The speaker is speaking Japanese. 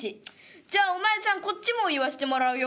「チッじゃあお前さんこっちも言わしてもらうよ。